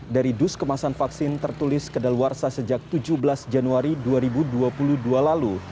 dari dus kemasan vaksin tertulis kedaluarsa sejak tujuh belas januari dua ribu dua puluh dua lalu